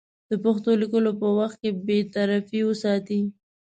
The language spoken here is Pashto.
د پېښو لیکلو په وخت کې بېطرفي وساتي.